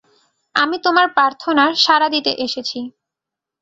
আমি তোমার প্রার্থনার সাড়া দিতে এসেছি।